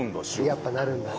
やっぱなるんだね。